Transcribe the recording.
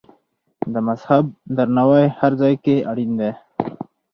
د مذهب درناوی هر ځای کې اړین دی.